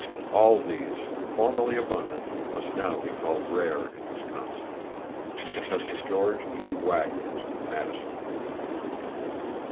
All these, formerly abundant, must now be called rare in Wisconsin.—(Prof. George E. Wagner, Madison.)